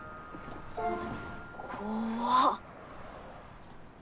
怖っ。